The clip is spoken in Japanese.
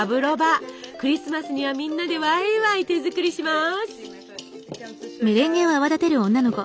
クリスマスにはみんなでわいわい手作りします。